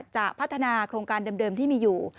จะพัฒนาโครงการเดิมที่มีอยู่